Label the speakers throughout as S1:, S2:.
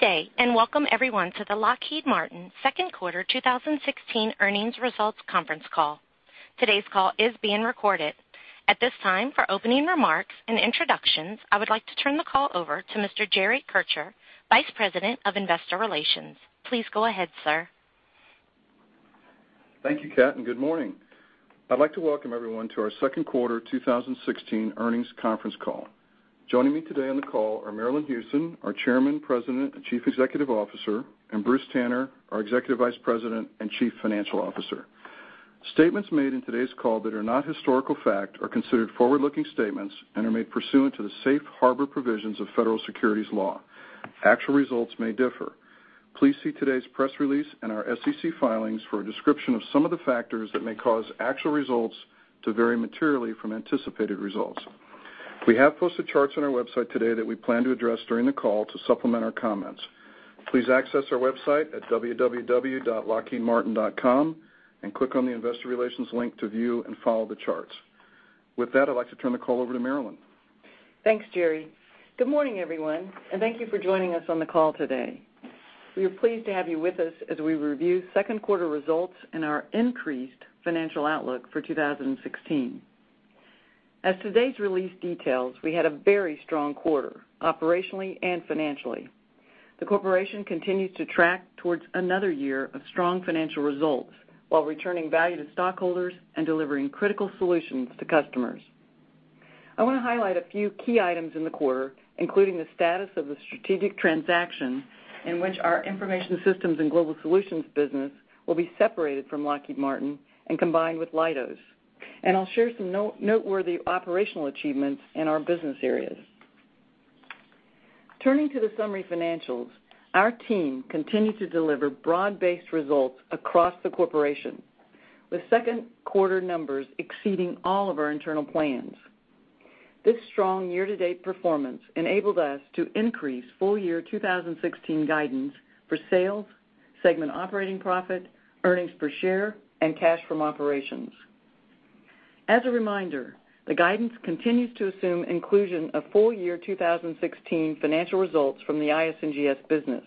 S1: Good day, welcome everyone to the Lockheed Martin second quarter 2016 earnings results conference call. Today's call is being recorded. At this time, for opening remarks and introductions, I would like to turn the call over to Jerry Kircher, Vice President of Investor Relations. Please go ahead, sir.
S2: Thank you, Kat, good morning. I'd like to welcome everyone to our second quarter 2016 earnings conference call. Joining me today on the call are Marillyn Hewson, our Chairman, President, and Chief Executive Officer, and Bruce Tanner, our Executive Vice President and Chief Financial Officer. Statements made in today's call that are not historical fact are considered forward-looking statements and are made pursuant to the safe harbor provisions of federal securities law. Actual results may differ. Please see today's press release in our SEC filings for a description of some of the factors that may cause actual results to vary materially from anticipated results. We have posted charts on our website today that we plan to address during the call to supplement our comments. Please access our website at www.lockheedmartin.com and click on the Investor Relations link to view and follow the charts. With that, I'd like to turn the call over to Marillyn.
S3: Thanks, Jerry. Good morning, everyone, thank you for joining us on the call today. We are pleased to have you with us as we review second quarter results and our increased financial outlook for 2016. As today's release details, we had a very strong quarter, operationally and financially. The corporation continues to track towards another year of strong financial results while returning value to stockholders and delivering critical solutions to customers. I want to highlight a few key items in the quarter, including the status of the strategic transaction in which our Information Systems & Global Solutions business will be separated from Lockheed Martin and combined with Leidos. I'll share some noteworthy operational achievements in our business areas. Turning to the summary financials, our team continued to deliver broad-based results across the corporation, with second quarter numbers exceeding all of our internal plans. This strong year-to-date performance enabled us to increase full year 2016 guidance for sales, segment operating profit, earnings per share, and cash from operations. As a reminder, the guidance continues to assume inclusion of full year 2016 financial results from the IS&GS business.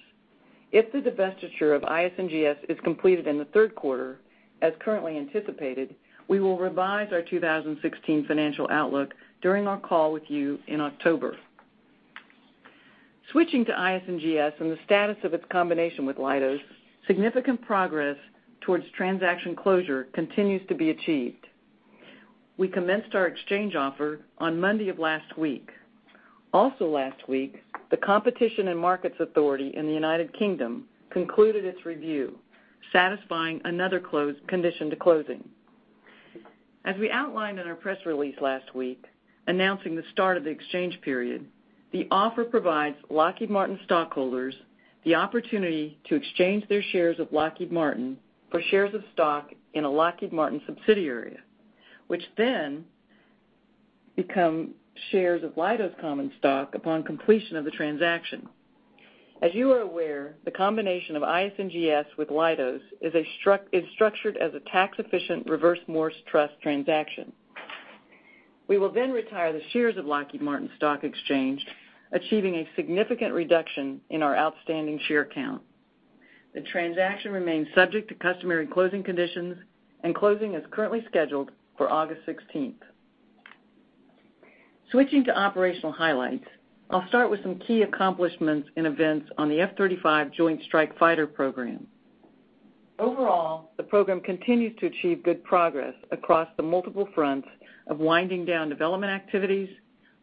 S3: If the divestiture of IS&GS is completed in the third quarter, as currently anticipated, we will revise our 2016 financial outlook during our call with you in October. Switching to IS&GS and the status of its combination with Leidos, significant progress towards transaction closure continues to be achieved. We commenced our exchange offer on Monday of last week. Also last week, the Competition and Markets Authority in the U.K. concluded its review, satisfying another condition to closing. As we outlined in our press release last week announcing the start of the exchange period, the offer provides Lockheed Martin stockholders the opportunity to exchange their shares of Lockheed Martin for shares of stock in a Lockheed Martin subsidiary, which then become shares of Leidos common stock upon completion of the transaction. As you are aware, the combination of IS&GS with Leidos is structured as a tax-efficient Reverse Morris Trust transaction. We will then retire the shares of Lockheed Martin stock exchanged, achieving a significant reduction in our outstanding share count. The transaction remains subject to customary closing conditions and closing is currently scheduled for August 16th. Switching to operational highlights, I'll start with some key accomplishments and events on the F-35 Joint Strike Fighter program. Overall, the program continues to achieve good progress across the multiple fronts of winding down development activities,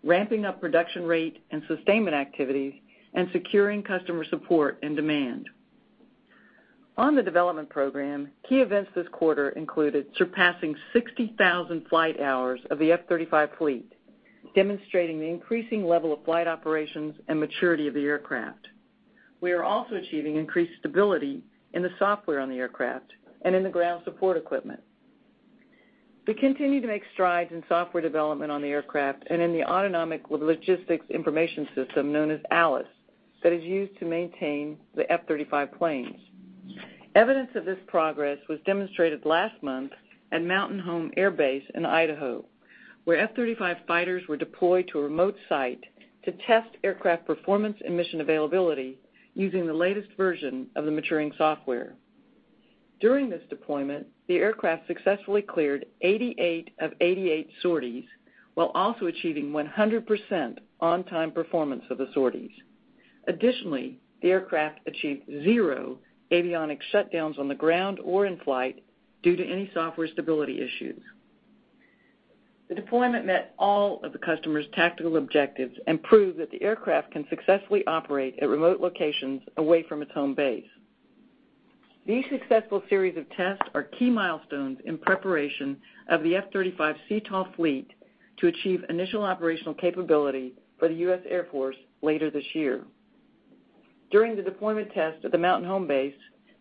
S3: ramping up production rate and sustainment activities, and securing customer support and demand. On the development program, key events this quarter included surpassing 60,000 flight hours of the F-35 fleet, demonstrating the increasing level of flight operations and maturity of the aircraft. We are also achieving increased stability in the software on the aircraft and in the ground support equipment. We continue to make strides in software development on the aircraft and in the Autonomic Logistics Information System known as ALIS, that is used to maintain the F-35 planes. Evidence of this progress was demonstrated last month at Mountain Home Air Base in Idaho, where F-35 fighters were deployed to a remote site to test aircraft performance and mission availability using the latest version of the maturing software. During this deployment, the aircraft successfully cleared 88 of 88 sorties while also achieving 100% on-time performance of the sorties. Additionally, the aircraft achieved zero avionics shutdowns on the ground or in flight due to any software stability issues. The deployment met all of the customer's tactical objectives and proved that the aircraft can successfully operate at remote locations away from its home base. These successful series of tests are key milestones in preparation of the F-35 CTOL fleet to achieve initial operational capability for the U.S. Air Force later this year. During the deployment test at the Mountain Home base,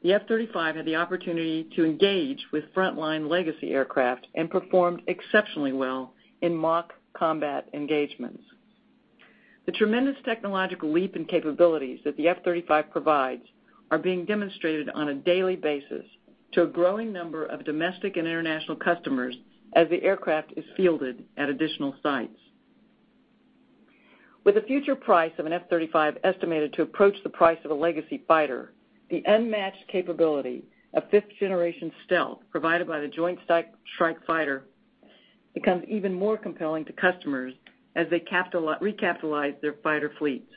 S3: the F-35 had the opportunity to engage with frontline legacy aircraft and performed exceptionally well in mock combat engagements. The tremendous technological leap in capabilities that the F-35 provides are being demonstrated on a daily basis to a growing number of domestic and international customers as the aircraft is fielded at additional sites. With the future price of an F-35 estimated to approach the price of a legacy fighter, the unmatched capability of fifth-generation stealth provided by the Joint Strike Fighter becomes even more compelling to customers as they recapitalize their fighter fleets.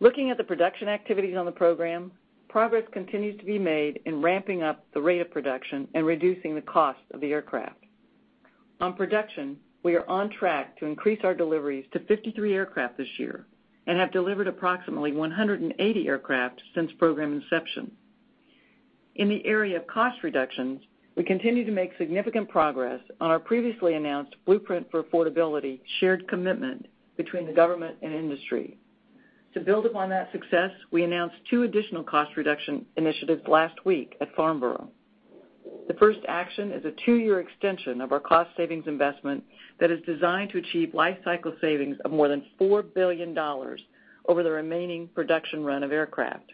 S3: Looking at the production activities on the program, progress continues to be made in ramping up the rate of production and reducing the cost of the aircraft. On production, we are on track to increase our deliveries to 53 aircraft this year and have delivered approximately 180 aircraft since program inception. In the area of cost reductions, we continue to make significant progress on our previously announced Blueprint for Affordability shared commitment between the government and industry. To build upon that success, we announced two additional cost reduction initiatives last week at Farnborough. The first action is a two-year extension of our cost savings investment that is designed to achieve life cycle savings of more than $4 billion over the remaining production run of aircraft.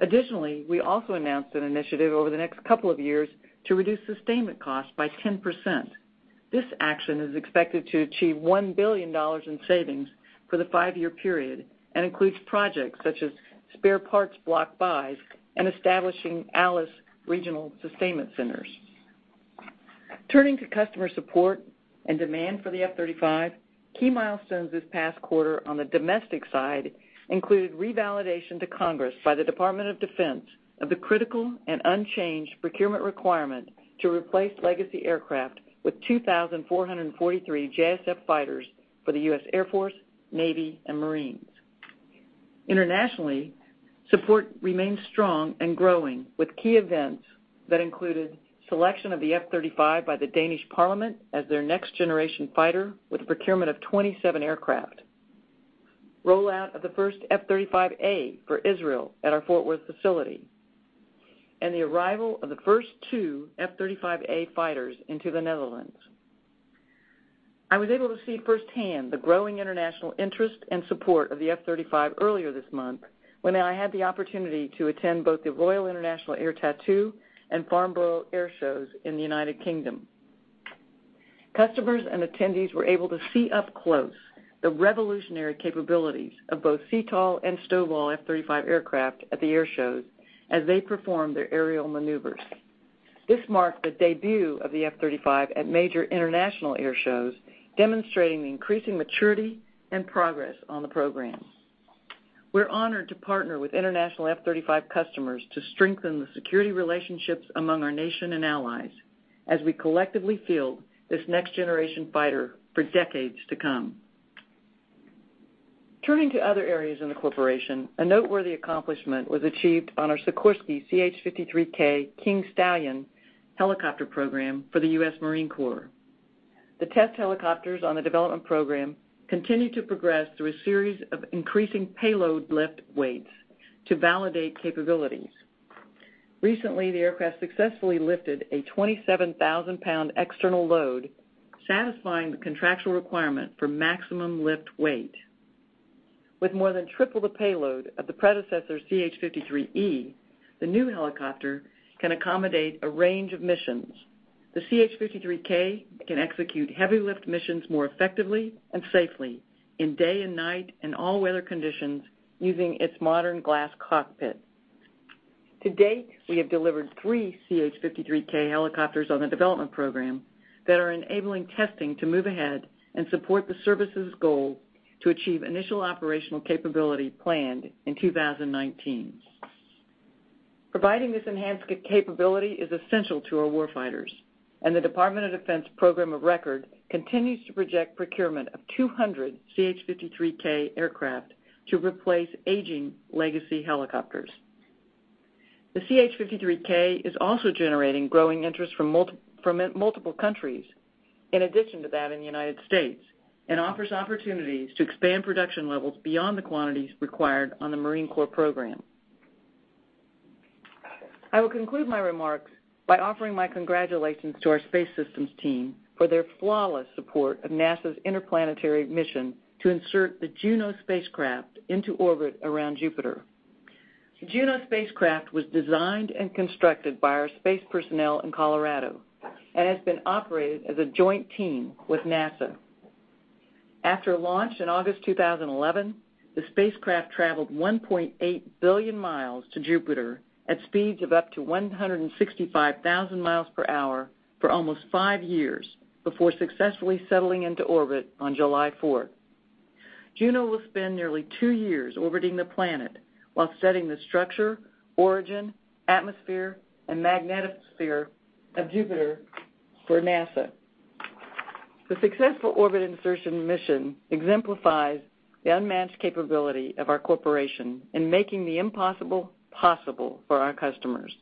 S3: Additionally, we also announced an initiative over the next couple of years to reduce sustainment costs by 10%. This action is expected to achieve $1 billion in savings for the five-year period and includes projects such as spare parts block buys and establishing ALIS regional sustainment centers. Turning to customer support and demand for the F-35, key milestones this past quarter on the domestic side included revalidation to Congress by the Department of Defense of the critical and unchanged procurement requirement to replace legacy aircraft with 2,443 JSF fighters for the U.S. Air Force, U.S. Navy, and U.S. Marines. Internationally, support remains strong and growing, with key events that included selection of the F-35 by the Danish Parliament as their next-generation fighter with a procurement of 27 aircraft, rollout of the first F-35A for Israel at our Fort Worth facility, and the arrival of the first two F-35A fighters into the Netherlands. I was able to see firsthand the growing international interest and support of the F-35 earlier this month when I had the opportunity to attend both the Royal International Air Tattoo and Farnborough Air Shows in the United Kingdom. Customers and attendees were able to see up close the revolutionary capabilities of both CTOL and STOVL F-35 aircraft at the air shows as they performed their aerial maneuvers. This marked the debut of the F-35 at major international air shows, demonstrating the increasing maturity and progress on the program. We are honored to partner with international F-35 customers to strengthen the security relationships among our nation and allies as we collectively field this next-generation fighter for decades to come. Turning to other areas in the corporation, a noteworthy accomplishment was achieved on our Sikorsky CH-53K King Stallion helicopter program for the U.S. Marine Corps. The test helicopters on the development program continue to progress through a series of increasing payload lift weights to validate capabilities. Recently, the aircraft successfully lifted a 27,000-pound external load, satisfying the contractual requirement for maximum lift weight. With more than triple the payload of the predecessor CH-53E, the new helicopter can accommodate a range of missions. The CH-53K can execute heavy lift missions more effectively and safely in day and night and all weather conditions using its modern glass cockpit. To date, we have delivered three CH-53K helicopters on the development program that are enabling testing to move ahead and support the services goal to achieve initial operational capability planned in 2019. Providing this enhanced capability is essential to our war fighters. The Department of Defense program of record continues to project procurement of 200 CH-53K aircraft to replace aging legacy helicopters. The CH-53K is also generating growing interest from multiple countries, in addition to that in the U.S., and offers opportunities to expand production levels beyond the quantities required on the Marine Corps program. I will conclude my remarks by offering my congratulations to our Space Systems team for their flawless support of NASA's interplanetary mission to insert the Juno spacecraft into orbit around Jupiter. The Juno spacecraft was designed and constructed by our space personnel in Colorado and has been operated as a joint team with NASA. After launch in August 2011, the spacecraft traveled 1.8 billion miles to Jupiter at speeds of up to 165,000 miles per hour for almost five years before successfully settling into orbit on July 4th. Juno will spend nearly two years orbiting the planet while studying the structure, origin, atmosphere, and magnetosphere of Jupiter for NASA. The successful orbit insertion mission exemplifies the unmatched capability of our corporation in making the impossible possible for our customers.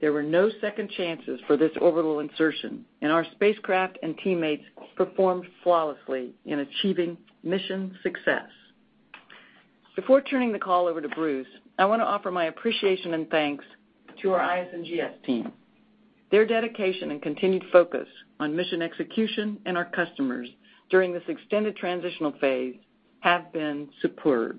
S3: There were no second chances for this orbital insertion. Our spacecraft and teammates performed flawlessly in achieving mission success. Before turning the call over to Bruce, I want to offer my appreciation and thanks to our IS&GS team. Their dedication and continued focus on mission execution and our customers during this extended transitional phase have been superb.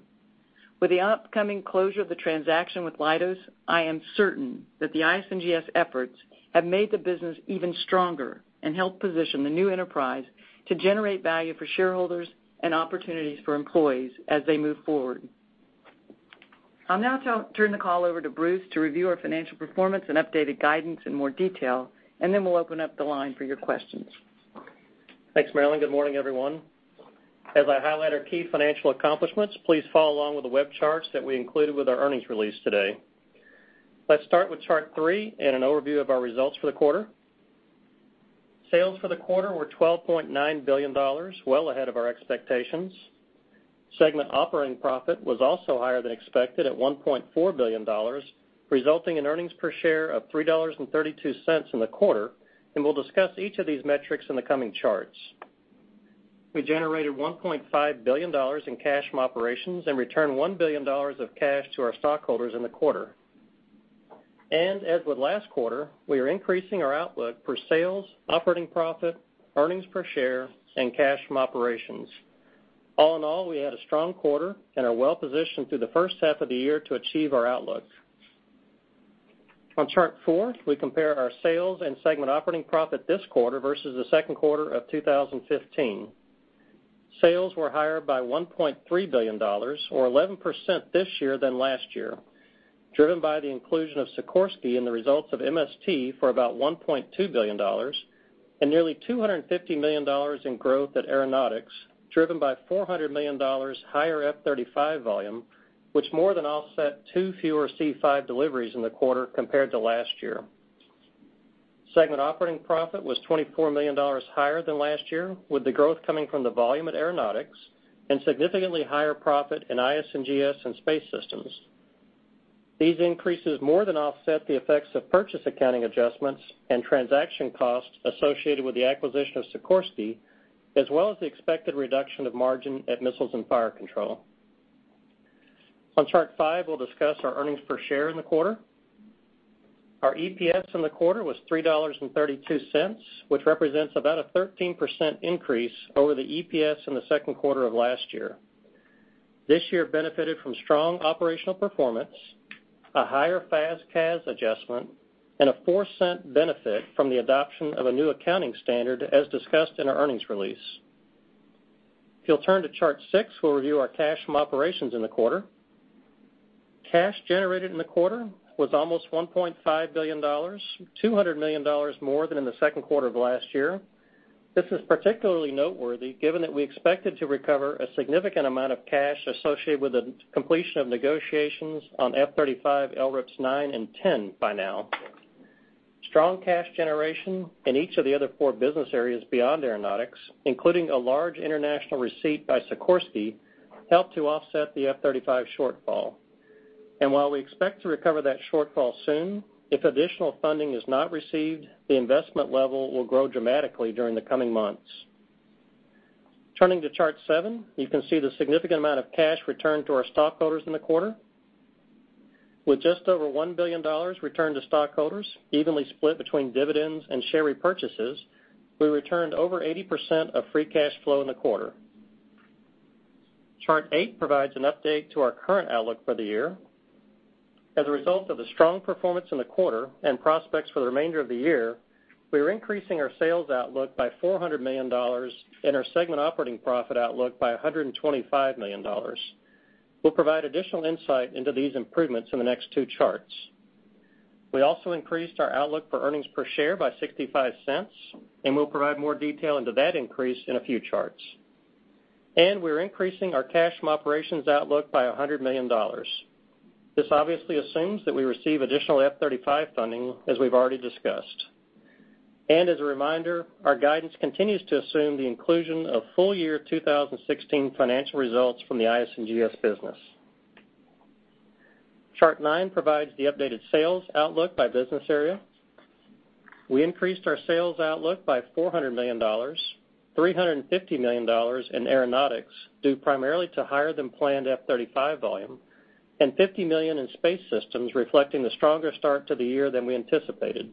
S3: With the upcoming closure of the transaction with Leidos, I am certain that the IS&GS efforts have made the business even stronger and helped position the new enterprise to generate value for shareholders and opportunities for employees as they move forward. I'll now turn the call over to Bruce to review our financial performance and updated guidance in more detail. Then we'll open up the line for your questions.
S4: Thanks, Marillyn. Good morning, everyone. As I highlight our key financial accomplishments, please follow along with the web charts that we included with our earnings release today. Let's start with Chart three and an overview of our results for the quarter. Sales for the quarter were $12.9 billion, well ahead of our expectations. Segment operating profit was also higher than expected at $1.4 billion, resulting in earnings per share of $3.32 in the quarter. We'll discuss each of these metrics in the coming charts. We generated $1.5 billion in cash from operations and returned $1 billion of cash to our stockholders in the quarter. As with last quarter, we are increasing our outlook for sales, operating profit, earnings per share, and cash from operations. All in all, we had a strong quarter and are well-positioned through the first half of the year to achieve our outlook. On Chart four, we compare our sales and segment operating profit this quarter versus the second quarter of 2015. Sales were higher by $1.3 billion, or 11% this year than last year, driven by the inclusion of Sikorsky in the results of MST for about $1.2 billion and nearly $250 million in growth at Aeronautics, driven by $400 million higher F-35 volume, which more than offset two fewer C-5 deliveries in the quarter compared to last year. Segment operating profit was $24 million higher than last year, with the growth coming from the volume at Aeronautics and significantly higher profit in IS&GS and Space Systems. These increases more than offset the effects of purchase accounting adjustments and transaction costs associated with the acquisition of Sikorsky, as well as the expected reduction of margin at Missiles and Fire Control. On Chart five, we will discuss our earnings per share in the quarter. Our EPS in the quarter was $3.32, which represents about a 13% increase over the EPS in the second quarter of last year. This year benefited from strong operational performance, a higher FAS/CAS adjustment, and a $0.04 benefit from the adoption of a new accounting standard as discussed in our earnings release. If you will turn to Chart six, we will review our cash from operations in the quarter. Cash generated in the quarter was almost $1.5 billion, $200 million more than in the second quarter of last year. This is particularly noteworthy given that we expected to recover a significant amount of cash associated with the completion of negotiations on F-35 LRIPs 9 and 10 by now. Strong cash generation in each of the other four business areas beyond Aeronautics, including a large international receipt by Sikorsky, helped to offset the F-35 shortfall. While we expect to recover that shortfall soon, if additional funding is not received, the investment level will grow dramatically during the coming months. Turning to Chart seven, you can see the significant amount of cash returned to our stockholders in the quarter. With just over $1 billion returned to stockholders, evenly split between dividends and share repurchases, we returned over 80% of free cash flow in the quarter. Chart eight provides an update to our current outlook for the year. As a result of the strong performance in the quarter and prospects for the remainder of the year, we are increasing our sales outlook by $400 million and our segment operating profit outlook by $125 million. We will provide additional insight into these improvements in the next two charts. We also increased our outlook for earnings per share by $0.65, we will provide more detail into that increase in a few charts. We are increasing our cash from operations outlook by $100 million. This obviously assumes that we receive additional F-35 funding, as we have already discussed. As a reminder, our guidance continues to assume the inclusion of full year 2016 financial results from the IS&GS business. Chart nine provides the updated sales outlook by business area. We increased our sales outlook by $400 million, $350 million in Aeronautics, due primarily to higher-than-planned F-35 volume, and $50 million in Space Systems, reflecting the stronger start to the year than we anticipated.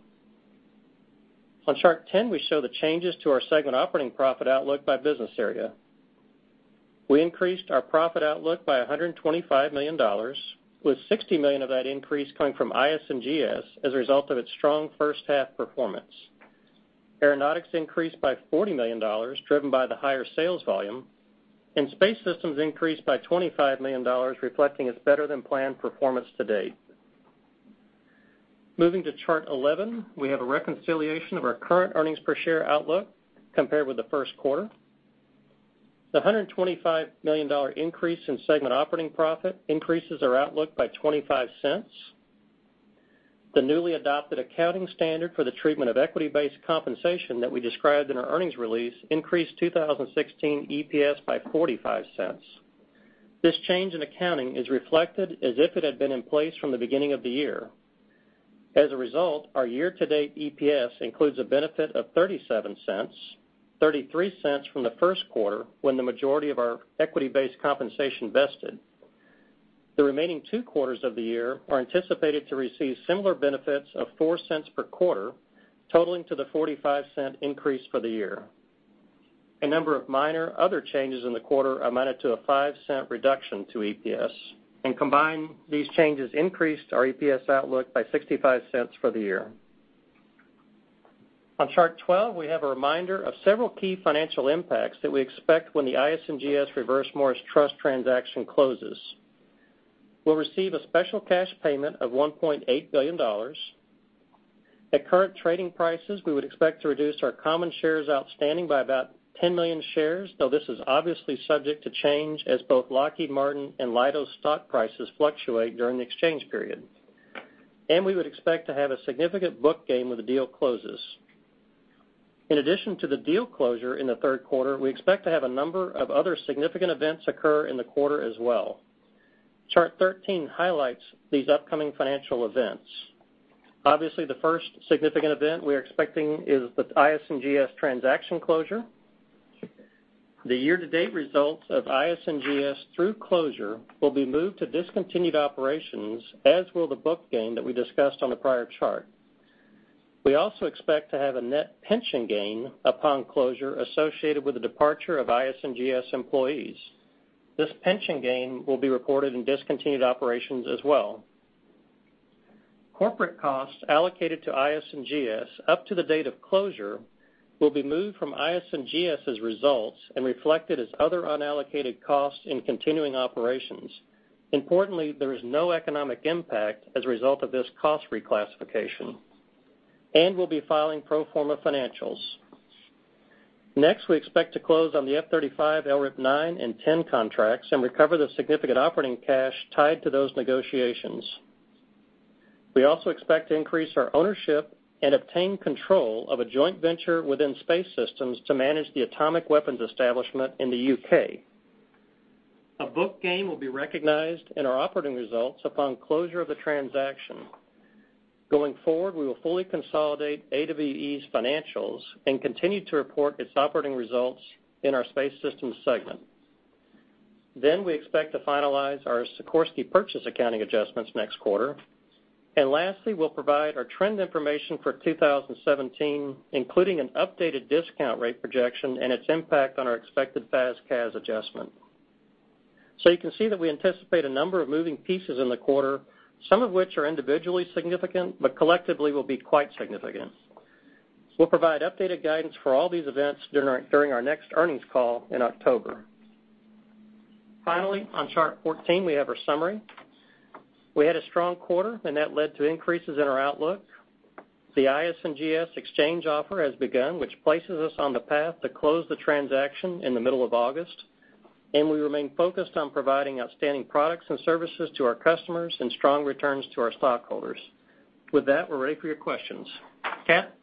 S4: On Chart 10, we show the changes to our segment operating profit outlook by business area. We increased our profit outlook by $125 million, with $60 million of that increase coming from IS&GS as a result of its strong first half performance. Aeronautics increased by $40 million, driven by the higher sales volume, and Space Systems increased by $25 million, reflecting its better-than-planned performance to date. Moving to Chart 11, we have a reconciliation of our current earnings per share outlook compared with the first quarter. The $125 million increase in segment operating profit increases our outlook by $0.25. The newly adopted accounting standard for the treatment of equity-based compensation that we described in our earnings release increased 2016 EPS by $0.45. This change in accounting is reflected as if it had been in place from the beginning of the year. As a result, our year-to-date EPS includes a benefit of $0.37, $0.33 from the first quarter when the majority of our equity-based compensation vested. The remaining two quarters of the year are anticipated to receive similar benefits of $0.04 per quarter, totaling to the $0.45 increase for the year. A number of minor other changes in the quarter amounted to a $0.05 reduction to EPS. Combined, these changes increased our EPS outlook by $0.65 for the year. On Chart 12, we have a reminder of several key financial impacts that we expect when the IS&GS Reverse Morris Trust transaction closes. We'll receive a special cash payment of $1.8 billion. At current trading prices, we would expect to reduce our common shares outstanding by about 10 million shares, though this is obviously subject to change as both Lockheed Martin and Leidos' stock prices fluctuate during the exchange period. We would expect to have a significant book gain when the deal closes. In addition to the deal closure in the third quarter, we expect to have a number of other significant events occur in the quarter as well. Chart 13 highlights these upcoming financial events. Obviously, the first significant event we are expecting is the IS&GS transaction closure. The year-to-date results of IS&GS through closure will be moved to discontinued operations, as will the book gain that we discussed on the prior chart. We also expect to have a net pension gain upon closure associated with the departure of IS&GS employees. This pension gain will be reported in discontinued operations as well. Corporate costs allocated to IS&GS up to the date of closure will be moved from IS&GS' results and reflected as other unallocated costs in continuing operations. Importantly, there is no economic impact as a result of this cost reclassification. We'll be filing pro forma financials. Next, we expect to close on the F-35 LRIP 9 and 10 contracts and recover the significant operating cash tied to those negotiations. We also expect to increase our ownership and obtain control of a joint venture within Space Systems to manage the Atomic Weapons Establishment in the U.K. A book gain will be recognized in our operating results upon closure of the transaction. Going forward, we will fully consolidate AWE's financials and continue to report its operating results in our Space Systems segment. We expect to finalize our Sikorsky purchase accounting adjustments next quarter. Lastly, we'll provide our trend information for 2017, including an updated discount rate projection and its impact on our expected FAS/CAS adjustment. You can see that we anticipate a number of moving pieces in the quarter, some of which are individually significant, but collectively will be quite significant. We'll provide updated guidance for all these events during our next earnings call in October. Finally, on chart 14, we have our summary. We had a strong quarter, and that led to increases in our outlook. The IS&GS exchange offer has begun, which places us on the path to close the transaction in the middle of August. We remain focused on providing outstanding products and services to our customers and strong returns to our stockholders. With that, we're ready for your questions. Kat?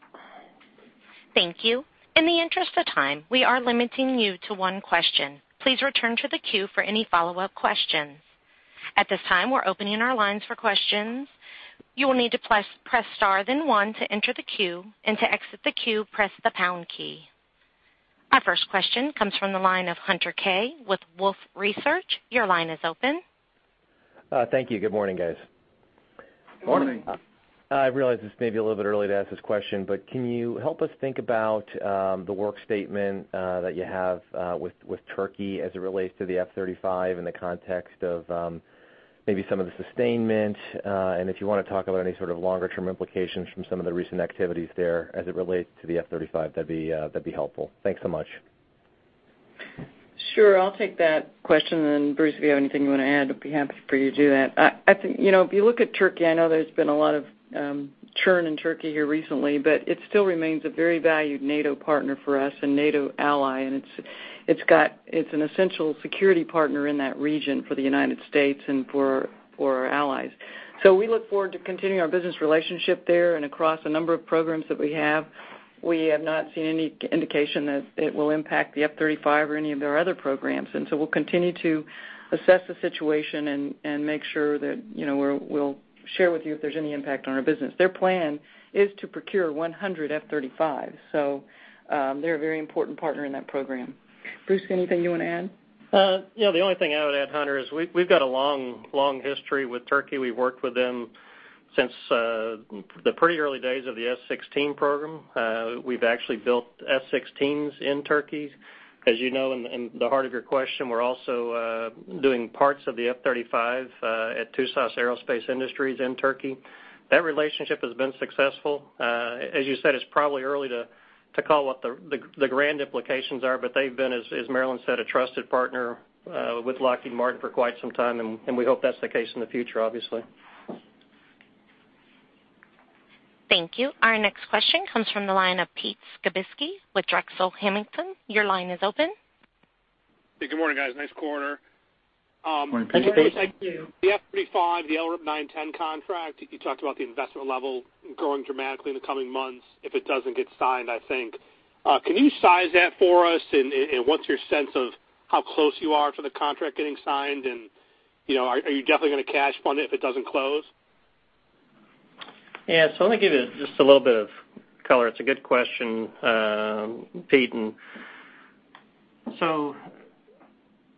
S1: Thank you. In the interest of time, we are limiting you to one question. Please return to the queue for any follow-up questions. At this time, we're opening our lines for questions. You will need to press star then one to enter the queue, and to exit the queue, press the pound key. Our first question comes from the line of Hunter Keay with Wolfe Research. Your line is open.
S5: Thank you. Good morning, guys.
S4: Good morning.
S5: I realize this may be a little bit early to ask this question, can you help us think about the work statement that you have with Turkey as it relates to the F-35 in the context of maybe some of the sustainment? If you want to talk about any sort of longer-term implications from some of the recent activities there as it relates to the F-35, that'd be helpful. Thanks so much.
S3: Sure. I'll take that question, and Bruce, if you have anything you want to add, I'd be happy for you to do that. If you look at Turkey, I know there's been a lot of churn in Turkey here recently, but it still remains a very valued NATO partner for us and NATO ally, and it's an essential security partner in that region for the United States and for our allies. We look forward to continuing our business relationship there and across a number of programs that we have. We have not seen any indication that it will impact the F-35 or any of their other programs. We'll continue to assess the situation and make sure that we'll share with you if there's any impact on our business. Their plan is to procure 100 F-35s. They're a very important partner in that program. Bruce, anything you want to add?
S4: The only thing I would add, Hunter, is we've got a long history with Turkey. We've worked with them since the pretty early days of the F-16 program. We've actually built F-16s in Turkey. As you know, in the heart of your question, we're also doing parts of the F-35 at Turkish Aerospace Industries in Turkey. That relationship has been successful. As you said, it's probably early to call what the grand implications are, but they've been, as Marillyn said, a trusted partner with Lockheed Martin for quite some time, and we hope that's the case in the future, obviously.
S1: Thank you. Our next question comes from the line of Pete Skibitski with Drexel Hamilton. Your line is open.
S6: Good morning, guys. Nice quarter.
S4: Good morning, Pete.
S3: Good morning.
S5: Thank you.
S6: The F-35, the LRIP 9/10 contract, you talked about the investment level growing dramatically in the coming months if it doesn't get signed, I think. Can you size that for us, and what's your sense of how close you are to the contract getting signed? Are you definitely going to cash fund it if it doesn't close?
S4: Let me give you just a little bit of color. It's a good question, Pete.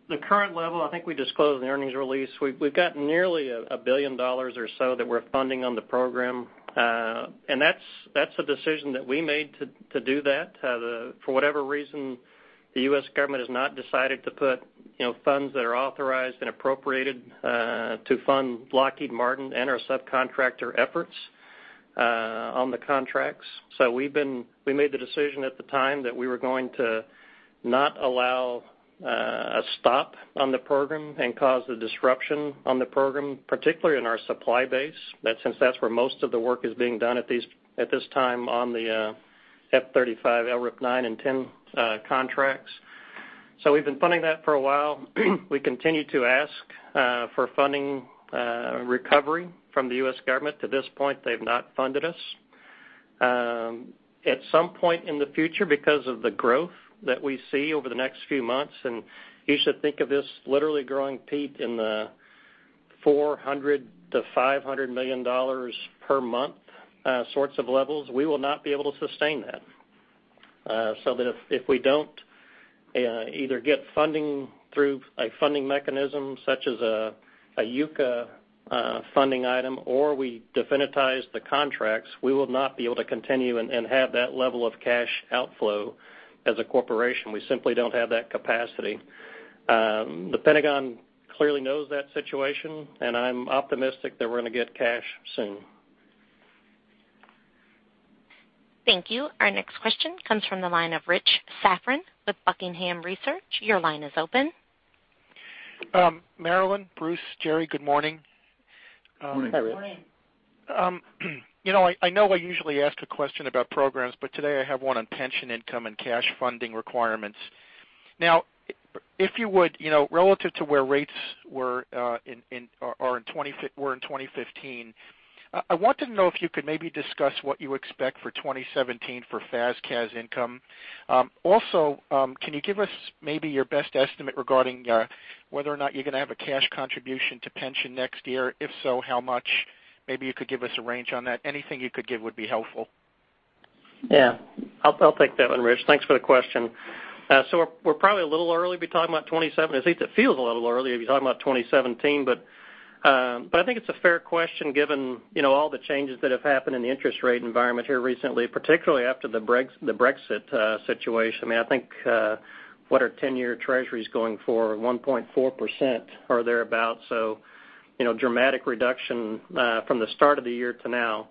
S4: The current level, I think we disclosed in the earnings release. We've got nearly $1 billion or so that we're funding on the program. That's a decision that we made to do that. For whatever reason, the U.S. government has not decided to put funds that are authorized and appropriated to fund Lockheed Martin and our subcontractor efforts on the contracts. We made the decision at the time that we were going to not allow a stop on the program and cause a disruption on the program, particularly in our supply base, since that's where most of the work is being done at this time on the F-35 LRIP 9 and 10 contracts. We've been funding that for a while. We continue to ask for funding recovery from the U.S. government. To this point, they've not funded us. At some point in the future, because of the growth that we see over the next few months, and you should think of this literally growing, Pete, in the $400 million to $500 million per month sorts of levels, we will not be able to sustain that. If we don't either get funding through a funding mechanism such as a UCA funding item, or we definitize the contracts, we will not be able to continue and have that level of cash outflow as a corporation. We simply don't have that capacity. The Pentagon clearly knows that situation, I'm optimistic that we're going to get cash soon.
S1: Thank you. Our next question comes from the line of Rich Safran with Buckingham Research. Your line is open.
S7: Marillyn, Bruce, Jerry, good morning.
S4: Morning.
S3: Morning.
S7: I know I usually ask a question about programs, but today I have one on pension income and cash funding requirements. If you would, relative to where rates were in 2015, I wanted to know if you could maybe discuss what you expect for 2017 for FAS CAS income. Can you give us maybe your best estimate regarding whether or not you're going to have a cash contribution to pension next year? If so, how much? Maybe you could give us a range on that. Anything you could give would be helpful.
S4: Yeah. I'll take that one, Rich. Thanks for the question. We're probably a little early to be talking about 2017. At least it feels a little early if you're talking about 2017. I think it's a fair question given all the changes that have happened in the interest rate environment here recently, particularly after the Brexit situation. I think, what are 10-year treasuries going for? 1.4% or thereabout. Dramatic reduction from the start of the year to now.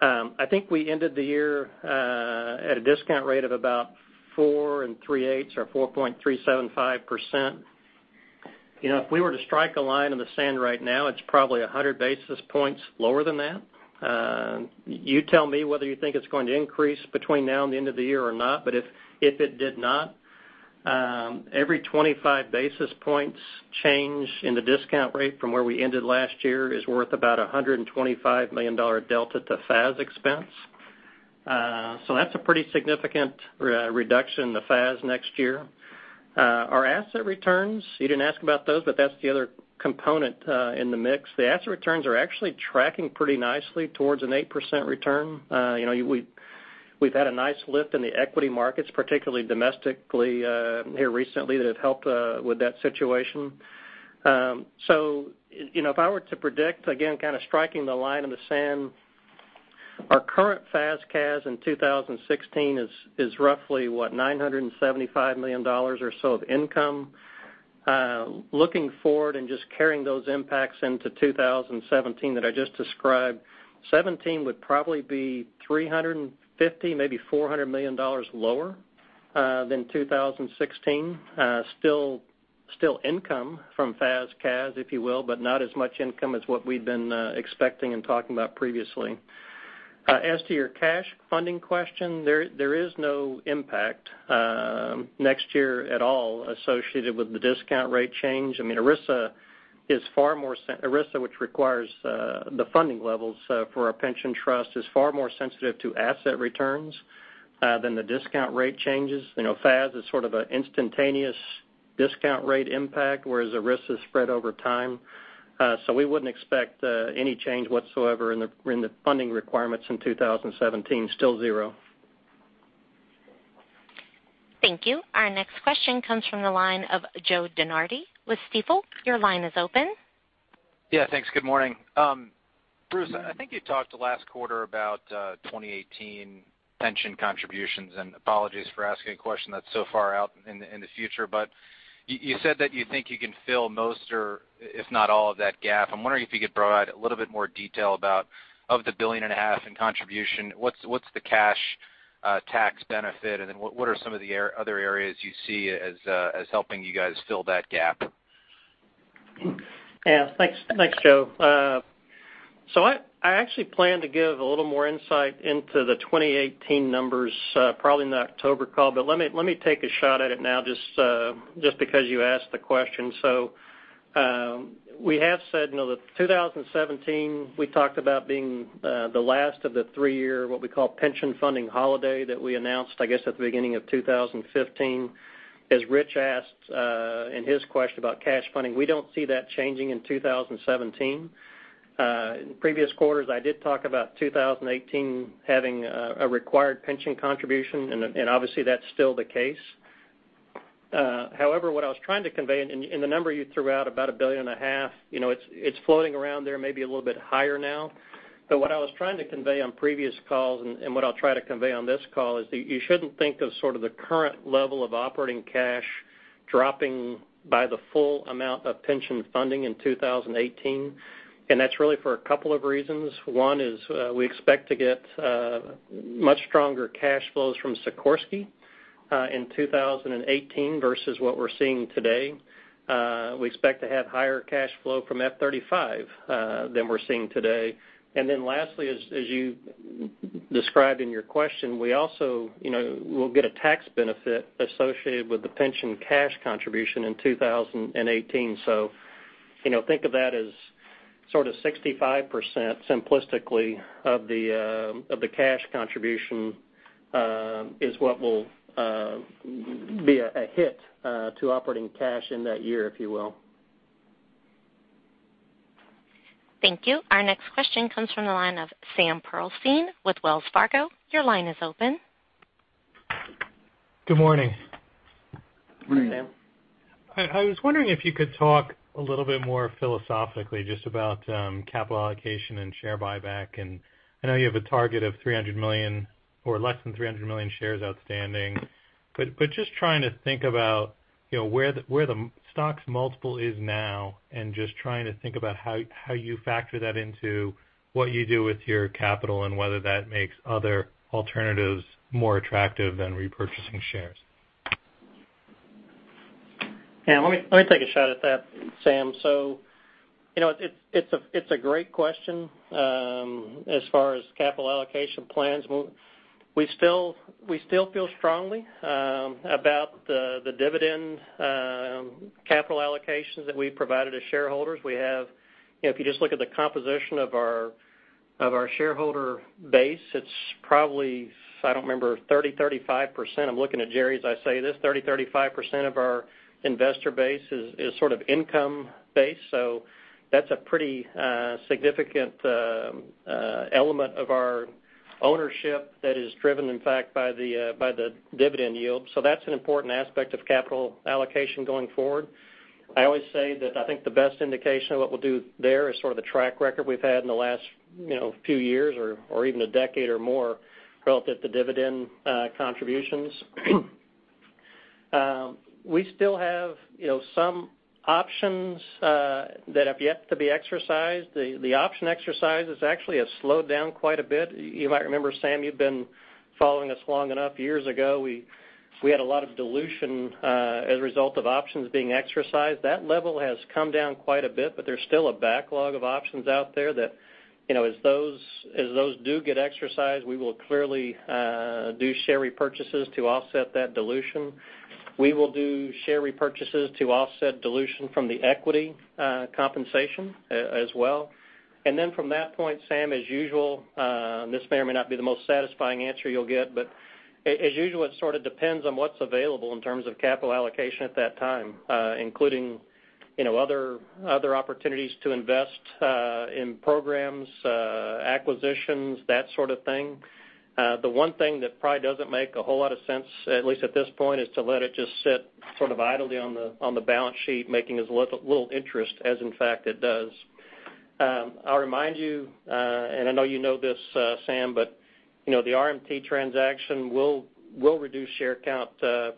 S4: I think we ended the year at a discount rate of about four and three eighths or 4.375%. If we were to strike a line in the sand right now, it's probably 100 basis points lower than that. You tell me whether you think it's going to increase between now and the end of the year or not. If it did not, every 25 basis points change in the discount rate from where we ended last year is worth about $125 million delta to FAS expense. That's a pretty significant reduction in the FAS next year. Our asset returns, you didn't ask about those, but that's the other component in the mix. The asset returns are actually tracking pretty nicely towards an 8% return. We've had a nice lift in the equity markets, particularly domestically here recently, that have helped with that situation. If I were to predict, again, kind of striking the line in the sand, our current FAS CAS in 2016 is roughly, what, $975 million or so of income. Looking forward and just carrying those impacts into 2017 that I just described, 2017 would probably be $350, maybe $400 million lower than 2016. Still income from FAS CAS, if you will, not as much income as what we'd been expecting and talking about previously. As to your cash funding question, there is no impact next year at all associated with the discount rate change. ERISA, which requires the funding levels for our pension trust, is far more sensitive to asset returns than the discount rate changes. FAS is sort of an instantaneous discount rate impact, whereas ERISA is spread over time. We wouldn't expect any change whatsoever in the funding requirements in 2017. Still zero.
S1: Thank you. Our next question comes from the line of Joseph DeNardi with Stifel. Your line is open.
S8: Yeah, thanks. Good morning. Bruce, I think you talked last quarter about 2018 pension contributions, apologies for asking a question that's so far out in the future. You said that you think you can fill most or if not all of that gap. I'm wondering if you could provide a little bit more detail about of the $1.5 billion in contribution, what's the cash tax benefit, what are some of the other areas you see as helping you guys fill that gap?
S4: Yeah. Thanks, Joe. I actually plan to give a little more insight into the 2018 numbers probably in the October call. Let me take a shot at it now just because you asked the question. We have said that 2017, we talked about being the last of the three-year, what we call pension funding holiday that we announced, I guess, at the beginning of 2015. As Rich asked in his question about cash funding, we don't see that changing in 2017. In previous quarters, I did talk about 2018 having a required pension contribution, and obviously, that's still the case. However, what I was trying to convey, and the number you threw out, about a billion and a half, it's floating around there, maybe a little bit higher now. What I was trying to convey on previous calls and what I'll try to convey on this call is that you shouldn't think of sort of the current level of operating cash dropping by the full amount of pension funding in 2018, and that's really for a couple of reasons. One is we expect to get much stronger cash flows from Sikorsky in 2018 versus what we're seeing today. We expect to have higher cash flow from F-35 than we're seeing today. Lastly, as you described in your question, we also will get a tax benefit associated with the pension cash contribution in 2018. Think of that as sort of 65%, simplistically, of the cash contribution is what will be a hit to operating cash in that year, if you will.
S1: Thank you. Our next question comes from the line of Sam Pearlstein with Wells Fargo. Your line is open.
S9: Good morning.
S4: Morning, Sam.
S9: I was wondering if you could talk a little bit more philosophically just about capital allocation and share buyback. I know you have a target of 300 million or less than 300 million shares outstanding, but just trying to think about where the stock's multiple is now and just trying to think about how you factor that into what you do with your capital and whether that makes other alternatives more attractive than repurchasing shares.
S4: Yeah, let me take a shot at that, Sam. It's a great question as far as capital allocation plans. We still feel strongly about the dividend capital allocations that we've provided to shareholders. If you just look at the composition of our shareholder base, it's probably, if I don't remember, 30%-35%. I'm looking at Jerry as I say this. 30%-35% of our investor base is sort of income base. That's a pretty significant element of our ownership that is driven, in fact, by the dividend yield. That's an important aspect of capital allocation going forward. I always say that I think the best indication of what we'll do there is sort of the track record we've had in the last few years or even a decade or more relative to dividend contributions. We still have some options that have yet to be exercised. The option exercise actually has slowed down quite a bit. You might remember, Sam, you've been following us long enough. Years ago, we had a lot of dilution as a result of options being exercised. That level has come down quite a bit, but there's still a backlog of options out there that, as those do get exercised, we will clearly do share repurchases to offset that dilution. We will do share repurchases to offset dilution from the equity compensation as well. Then from that point, Sam, as usual, this may or may not be the most satisfying answer you'll get, but as usual, it sort of depends on what's available in terms of capital allocation at that time, including other opportunities to invest in programs, acquisitions, that sort of thing. The one thing that probably doesn't make a whole lot of sense, at least at this point, is to let it just sit sort of idly on the balance sheet, making as little interest as, in fact, it does. I'll remind you, and I know you know this, Sam, but the RMT transaction will reduce share count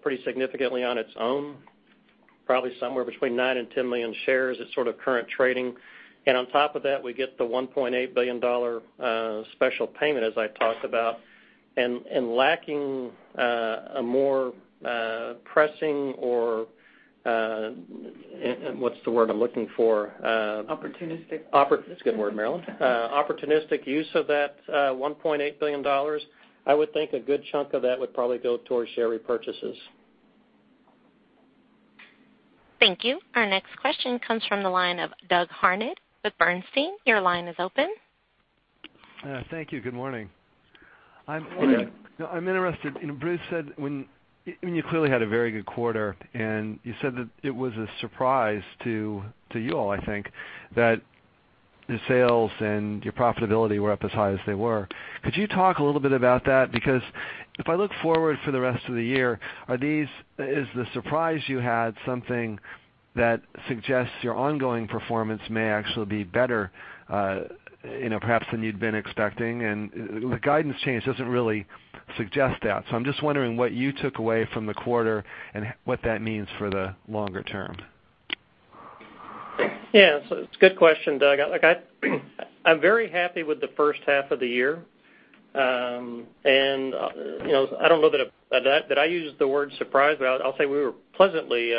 S4: pretty significantly on its own, probably somewhere between nine and 10 million shares at sort of current trading. On top of that, we get the $1.8 billion special payment, as I talked about. Lacking a more pressing or, what's the word I'm looking for?
S3: Opportunistic.
S4: That's a good word, Marillyn. Opportunistic use of that $1.8 billion, I would think a good chunk of that would probably go towards share repurchases.
S1: Thank you. Our next question comes from the line of Douglas Harned with Bernstein. Your line is open.
S10: Thank you. Good morning. I'm interested, Bruce said, I mean, you clearly had a very good quarter, and you said that it was a surprise to you all, I think, that the sales and your profitability were up as high as they were. Could you talk a little bit about that? Because if I look forward for the rest of the year, is the surprise you had something that suggests your ongoing performance may actually be better perhaps than you'd been expecting? The guidance change doesn't really suggest that. I'm just wondering what you took away from the quarter and what that means for the longer term.
S4: Yeah. It's a good question, Doug. I'm very happy with the first half of the year. I don't know that I used the word surprise, but I'll say we were pleasantly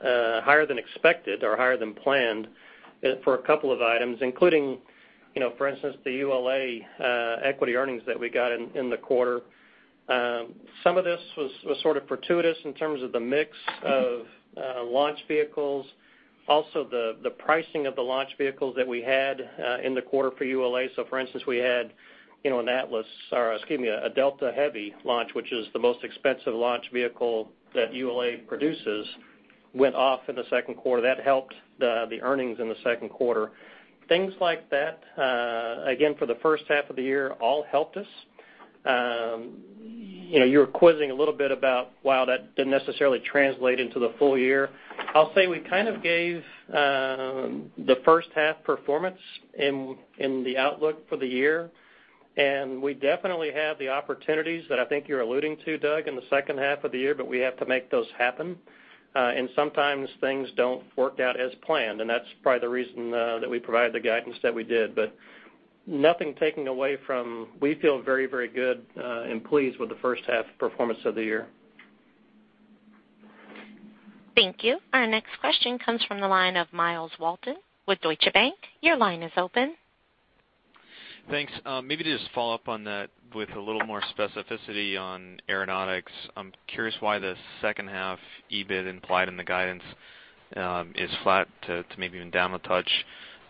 S4: higher than expected or higher than planned for a couple of items, including, for instance, the ULA equity earnings that we got in the quarter. Some of this was sort of fortuitous in terms of the mix of launch vehicles, also the pricing of the launch vehicles that we had in the quarter for ULA. For instance, we had an Atlas, or excuse me, a Delta Heavy launch, which is the most expensive launch vehicle that ULA produces. Went off in the second quarter. That helped the earnings in the second quarter. Things like that, again, for the first half of the year, all helped us. You were quizzing a little bit about, wow, that didn't necessarily translate into the full year. I'll say we kind of gave the first half performance in the outlook for the year, we definitely have the opportunities that I think you're alluding to, Doug, in the second half of the year, we have to make those happen. Sometimes things don't work out as planned, that's probably the reason that we provided the guidance that we did. Nothing taking away from, we feel very, very good and pleased with the first half performance of the year.
S1: Thank you. Our next question comes from the line of Myles Walton with Deutsche Bank. Your line is open.
S11: Thanks. Maybe to just follow up on that with a little more specificity on Aeronautics. I'm curious why the second half EBIT implied in the guidance is flat to maybe even down a touch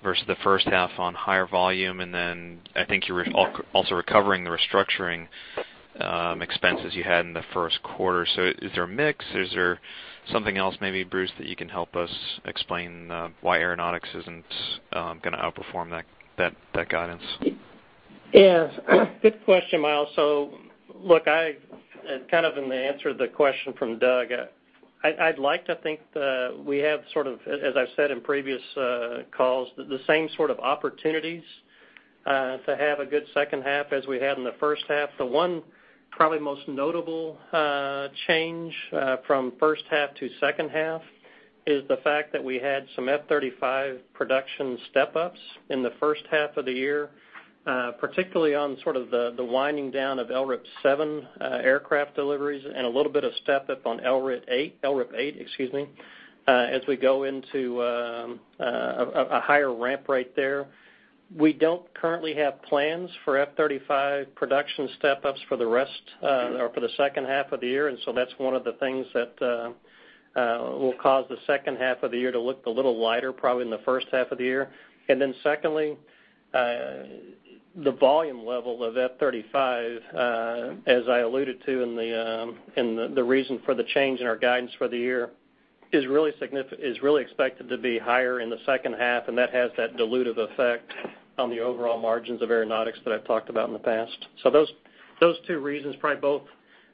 S11: versus the first half on higher volume, then I think you're also recovering the restructuring expenses you had in the first quarter. Is there a mix? Is there something else maybe, Bruce, that you can help us explain why Aeronautics isn't going to outperform that guidance?
S4: Yes. Good question, Myles. Look, kind of in the answer to the question from Doug, I'd like to think that we have sort of, as I've said in previous calls, the same sort of opportunities to have a good second half as we had in the first half. The one probably most notable change from first half to second half is the fact that we had some F-35 production step-ups in the first half of the year, particularly on sort of the winding down of LRIP-7 aircraft deliveries and a little bit of step-up on LRIP-8 as we go into a higher ramp right there. We don't currently have plans for F-35 production step-ups for the second half of the year, that's one of the things that will cause the second half of the year to look a little lighter probably than the first half of the year. Secondly, the volume level of F-35, as I alluded to in the reason for the change in our guidance for the year, is really expected to be higher in the second half, and that has that dilutive effect on the overall margins of Aeronautics that I've talked about in the past. Those two reasons probably both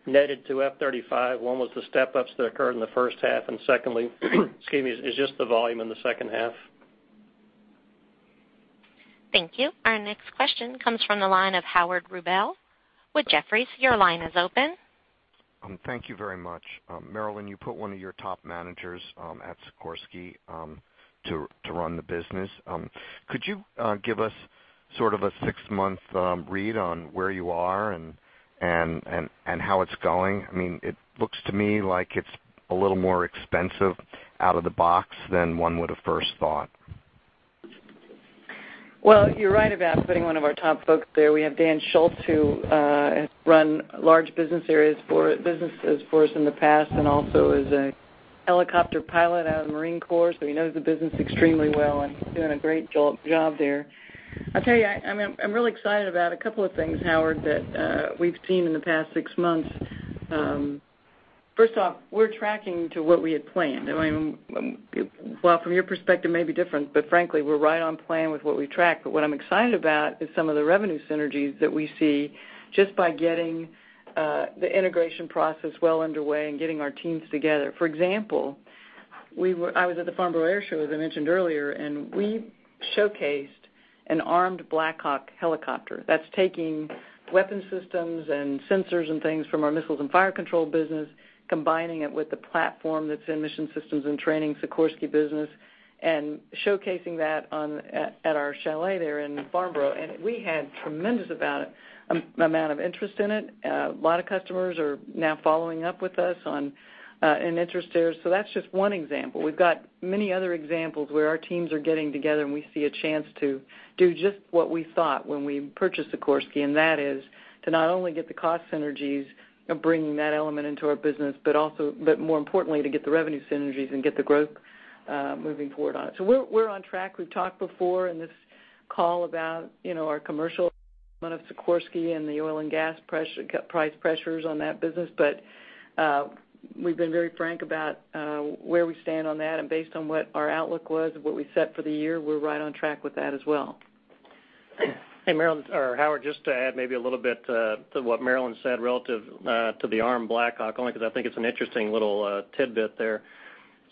S4: netted to F-35. One was the step-ups that occurred in the first half, and secondly, is just the volume in the second half.
S1: Thank you. Our next question comes from the line of Howard Rubel with Jefferies. Your line is open.
S12: Thank you very much. Marillyn, you put one of your top managers at Sikorsky to run the business. Could you give us sort of a six-month read on where you are and how it's going? It looks to me like it's a little more expensive out of the box than one would've first thought.
S3: Well, you're right about putting one of our top folks there. We have Dan Schultz, who has run large business areas for businesses for us in the past and also is a helicopter pilot out of the Marine Corps, so he knows the business extremely well and he's doing a great job there. I'll tell you, I'm really excited about a couple of things, Howard, that we've seen in the past six months. First off, we're tracking to what we had planned. Well, from your perspective, it may be different, but frankly, we're right on plan with what we tracked. What I'm excited about is some of the revenue synergies that we see just by getting the integration process well underway and getting our teams together. For example, I was at the Farnborough Airshow, as I mentioned earlier, and we showcased an armed Black Hawk helicopter. That's taking weapons systems and sensors and things from our Missiles and Fire Control business, combining it with the platform that's in Mission Systems and Training, Sikorsky business, and showcasing that at our chalet there in Farnborough. We had tremendous amount of interest in it. A lot of customers are now following up with us and interested. That's just one example. We've got many other examples where our teams are getting together, and we see a chance to do just what we thought when we purchased Sikorsky, and that is to not only get the cost synergies of bringing that element into our business, but more importantly, to get the revenue synergies and get the growth moving forward on it. We're on track. We've talked before in this call about our commercial of Sikorsky and the oil and gas price pressures on that business. We've been very frank about where we stand on that, and based on what our outlook was and what we set for the year, we're right on track with that as well.
S4: Hey, Howard, just to add maybe a little bit to what Marillyn said relative to the armed Black Hawk, only because I think it's an interesting little tidbit there.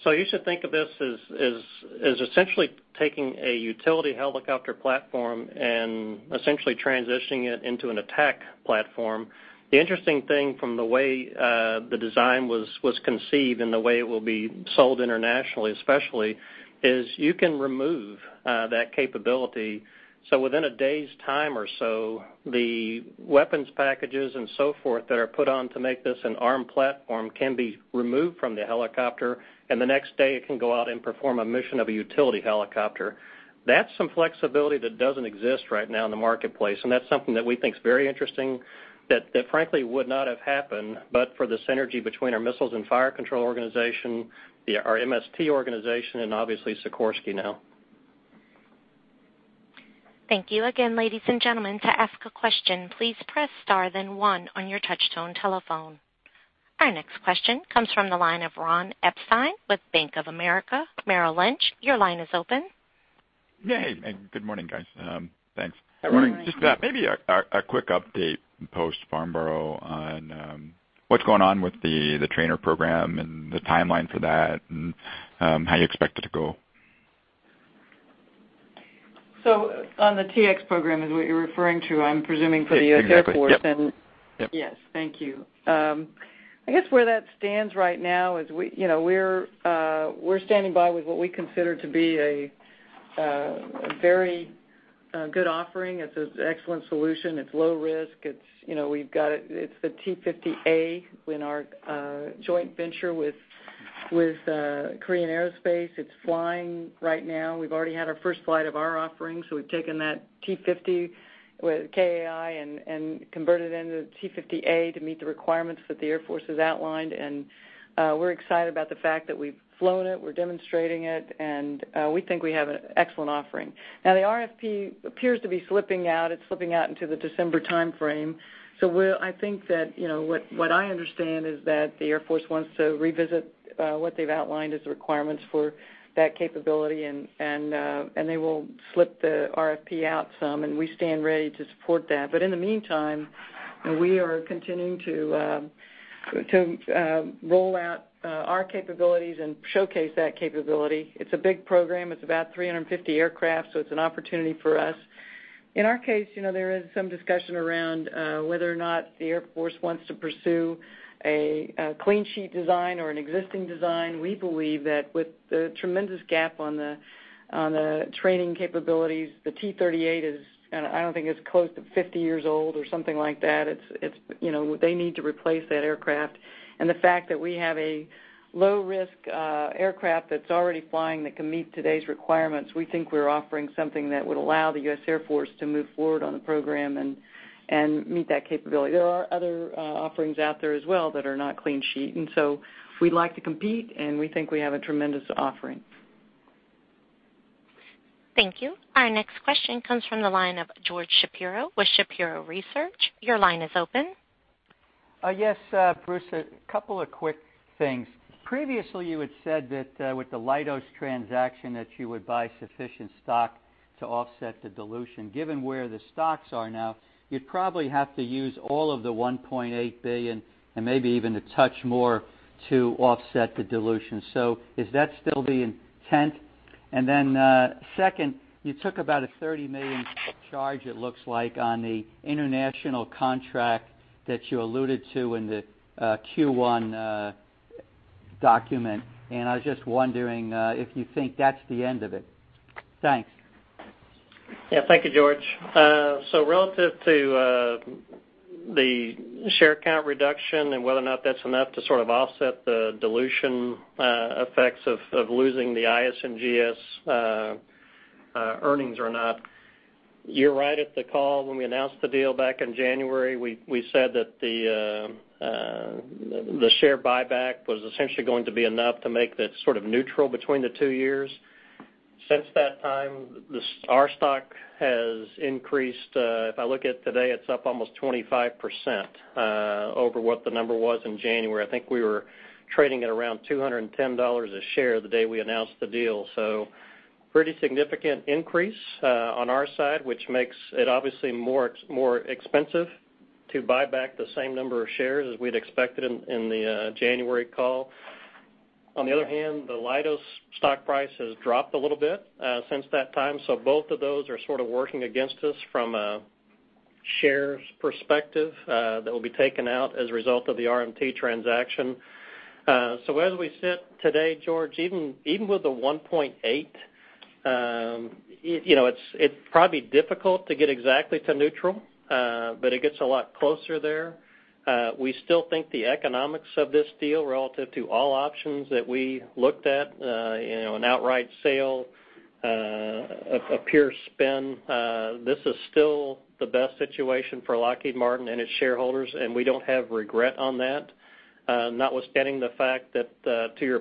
S4: You should think of this as essentially taking a utility helicopter platform and essentially transitioning it into an attack platform. The interesting thing from the way the design was conceived and the way it will be sold internationally especially, is you can remove that capability. Within a day's time or so, the weapons packages and so forth that are put on to make this an armed platform can be removed from the helicopter, and the next day it can go out and perform a mission of a utility helicopter. That's some flexibility that doesn't exist right now in the marketplace, and that's something that we think is very interesting that frankly would not have happened but for the synergy between our Missiles and Fire Control organization, our MST organization, and obviously Sikorsky now.
S1: Thank you again, ladies and gentlemen. To ask a question, please press star then one on your touchtone telephone. Our next question comes from the line of Ronald Epstein with Bank of America Merrill Lynch. Your line is open.
S13: Yeah, hey, good morning, guys. Thanks.
S3: Good morning.
S13: maybe a quick update, post Farnborough, on what's going on with the trainer program and the timeline for that, and how you expect it to go.
S3: On the T-X program is what you're referring to, I'm presuming, for the U.S. Air Force.
S13: Exactly. Yep.
S3: Yes, thank you. I guess where that stands right now is we're standing by with what we consider to be a very good offering. It's an excellent solution. It's low risk. It's the T-50A in our joint venture with Korea Aerospace. It's flying right now. We've already had our first flight of our offering, so we've taken that T-50 with KAI and converted it into the T-50A to meet the requirements that the Air Force has outlined. We're excited about the fact that we've flown it, we're demonstrating it, and we think we have an excellent offering. Now, the RFP appears to be slipping out. It's slipping out into the December timeframe. I think that what I understand is that the Air Force wants to revisit what they've outlined as the requirements for that capability. They will slip the RFP out some, and we stand ready to support that. In the meantime, we are continuing to roll out our capabilities and showcase that capability. It's a big program. It's about 350 aircraft, so it's an opportunity for us. In our case, there is some discussion around whether or not the Air Force wants to pursue a clean sheet design or an existing design. We believe that with the tremendous gap on the training capabilities, the T-38 is, I don't think it's close to 50 years old or something like that. They need to replace that aircraft. The fact that we have a low-risk aircraft that's already flying that can meet today's requirements, we think we're offering something that would allow the U.S. Air Force to move forward on the program and meet that capability. There are other offerings out there as well that are not clean sheet. We'd like to compete, and we think we have a tremendous offering.
S1: Thank you. Our next question comes from the line of George Shapiro with Shapiro Research. Your line is open.
S14: Yes. Bruce, a couple of quick things. Previously, you had said that with the Leidos transaction, that you would buy sufficient stock to offset the dilution. Given where the stocks are now, you'd probably have to use all of the $1.8 billion and maybe even a touch more to offset the dilution. Is that still the intent? Second, you took about a $30 million charge, it looks like, on the international contract that you alluded to in the Q1 document. I was just wondering if you think that's the end of it. Thanks.
S4: Thank you, George. Relative to the share count reduction and whether or not that's enough to sort of offset the dilution effects of losing the IS&GS earnings or not, you're right. At the call, when we announced the deal back in January, we said that the share buyback was essentially going to be enough to make this sort of neutral between the two years. Since that time, our stock has increased. If I look at it today, it's up almost 25% over what the number was in January. I think we were trading at around $210 a share the day we announced the deal. Pretty significant increase on our side, which makes it obviously more expensive to buy back the same number of shares as we'd expected in the January call. On the other hand, the Leidos stock price has dropped a little bit since that time. Both of those are sort of working against us from a shares perspective that will be taken out as a result of the RMT transaction. As we sit today, George, even with the 1.8, it's probably difficult to get exactly to neutral, but it gets a lot closer there. We still think the economics of this deal relative to all options that we looked at, an outright sale, a pure spin, this is still the best situation for Lockheed Martin and its shareholders, and we don't have regret on that. Notwithstanding the fact that, to your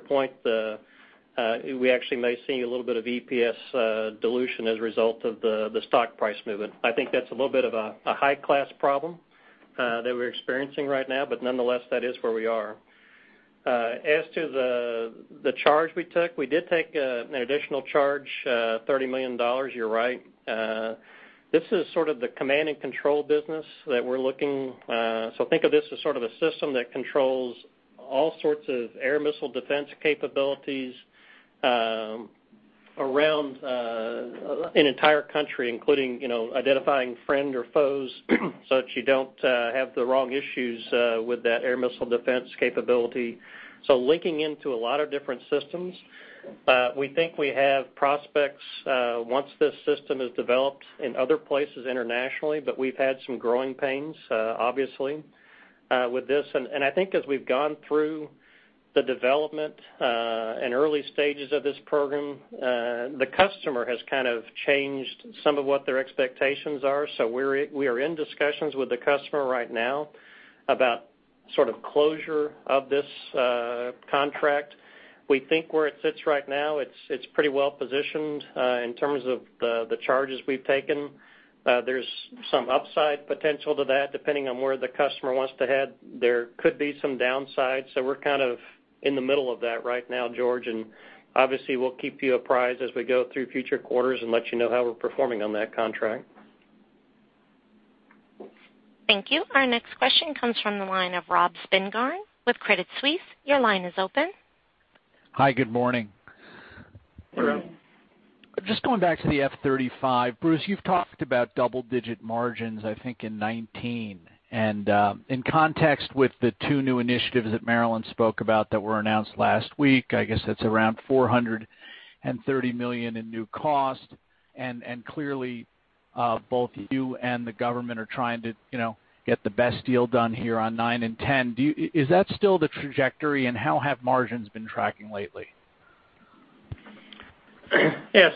S4: point, we actually may see a little bit of EPS dilution as a result of the stock price movement. I think that's a little bit of a high-class problem that we're experiencing right now, nonetheless, that is where we are. As to the charge we took, we did take an additional charge, $30 million, you're right. This is sort of the command and control business that we're looking. Think of this as sort of a system that controls all sorts of air missile defense capabilities around an entire country, including identifying friend or foes, that you don't have the wrong issues with that air missile defense capability. Linking into a lot of different systems. We think we have prospects once this system is developed in other places internationally, we've had some growing pains, obviously, with this. I think as we've gone through the development and early stages of this program, the customer has kind of changed some of what their expectations are. We are in discussions with the customer right now about Sort of closure of this contract. We think where it sits right now, it's pretty well positioned in terms of the charges we've taken. There's some upside potential to that, depending on where the customer wants to head. There could be some downsides. We're kind of in the middle of that right now, George, obviously we'll keep you apprised as we go through future quarters and let you know how we're performing on that contract.
S1: Thank you. Our next question comes from the line of Robert Spingarn with Credit Suisse. Your line is open.
S15: Hi, good morning.
S4: Good morning.
S15: Just going back to the F-35. Bruce, you've talked about double-digit margins, I think, in 2019. In context with the two new initiatives that Marillyn spoke about that were announced last week, I guess that's around $430 million in new cost. Clearly, both you and the government are trying to get the best deal done here on nine and 10. Is that still the trajectory, and how have margins been tracking lately?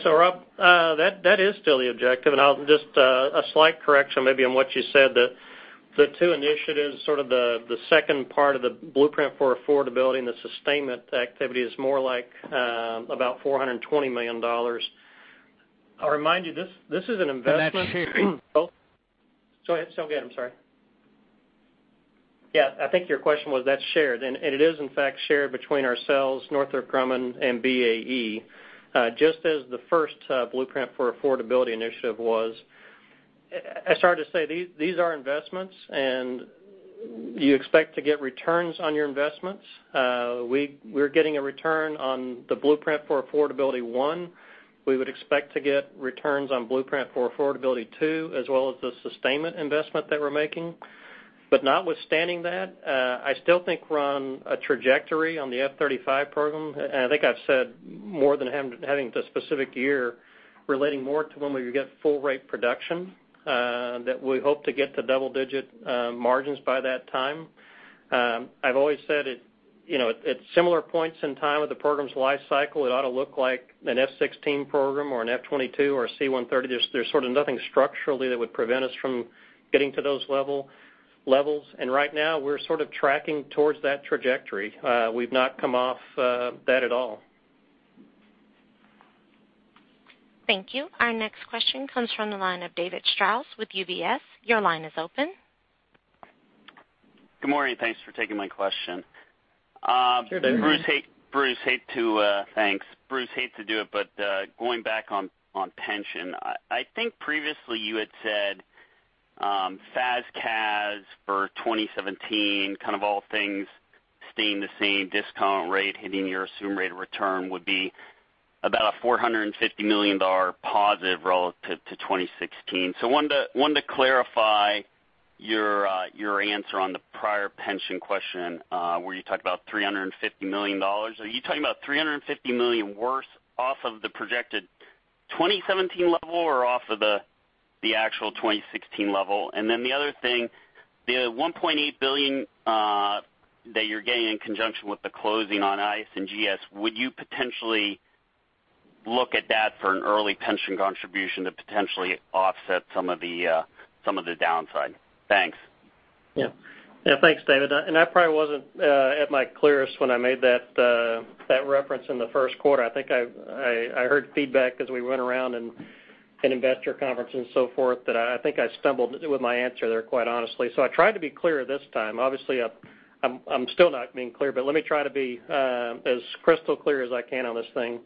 S4: Rob, that is still the objective, and just a slight correction maybe on what you said, the two initiatives, sort of the second part of the Blueprint for Affordability and the sustainment activity is more like about $420 million. I'll remind you, this is an investment-
S15: That's shared.
S4: Say again, I'm sorry. Yeah, I think your question was that's shared, and it is in fact shared between ourselves, Northrop Grumman, and BAE. Just as the first Blueprint for Affordability initiative was. I started to say, these are investments, and you expect to get returns on your investments. We're getting a return on the Blueprint for Affordability one. We would expect to get returns on Blueprint for Affordability two, as well as the sustainment investment that we're making. Notwithstanding that, I still think we're on a trajectory on the F-35 program. I think I've said more than having the specific year relating more to when we would get full rate production, that we hope to get to double-digit margins by that time. I've always said at similar points in time of the program's life cycle, it ought to look like an F-16 program or an F-22 or a C-130. There's sort of nothing structurally that would prevent us from getting to those levels. Right now, we're sort of tracking towards that trajectory. We've not come off that at all.
S1: Thank you. Our next question comes from the line of David Strauss with UBS. Your line is open.
S16: Good morning. Thanks for taking my question.
S4: Sure thing.
S16: Bruce, hate to do it, but going back on pension. I think previously you had said FAS/CAS for 2017, kind of all things staying the same discount rate, hitting your assumed rate of return would be about a $450 million positive relative to 2016. Wanted to clarify your answer on the prior pension question, where you talked about $350 million. Are you talking about $350 million worse off of the projected 2017 level or off of the actual 2016 level? The other thing, the $1.8 billion that you're getting in conjunction with the closing on IS&GS, would you potentially look at that for an early pension contribution to potentially offset some of the downside? Thanks.
S4: Thanks, David. I probably wasn't at my clearest when I made that reference in the first quarter. I think I heard feedback as we went around in investor conferences and so forth that I think I stumbled with my answer there, quite honestly. I tried to be clear this time. Obviously, I'm still not being clear, but let me try to be as crystal clear as I can on this thing.